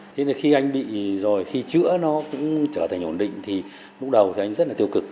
thế là khi anh bị rồi khi chữa nó cũng trở thành ổn định thì lúc đầu thì anh rất là tiêu cực